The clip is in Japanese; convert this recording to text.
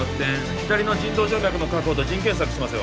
左の腎動静脈の確保と腎検索しますよ